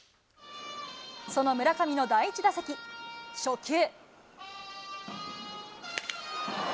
その村上の第１打席、初球。